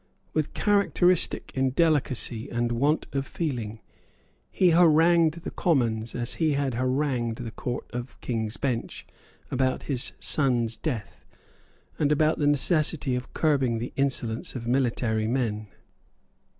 With characteristic indelicacy and want of feeling he harangued the Commons as he had harangued the Court of King's Bench, about his son's death, and about the necessity of curbing the insolence of military men.